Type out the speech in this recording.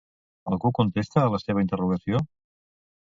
Algú contesta a la seva interrogació?